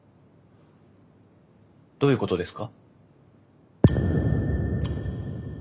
どういうことですか？